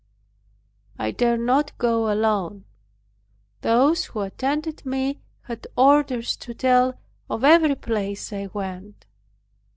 I dared not go alone; those who attended me had orders to tell of every place I went.